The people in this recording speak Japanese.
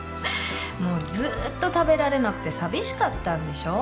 もうずーっと食べられなくて寂しかったんでしょう？